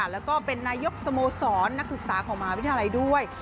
แล้วก็เป็นนายกสโมสรนักศึกษาของมหาวิทยาลัยด้วย